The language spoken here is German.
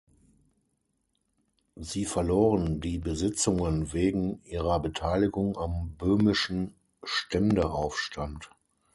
Sie verloren die Besitzungen wegen ihrer Beteiligung am böhmischen Ständeaufstand.